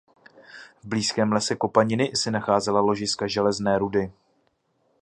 V blízkém lese Kopaniny se nacházela ložiska železné rudy.